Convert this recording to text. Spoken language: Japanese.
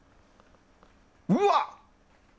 うわ！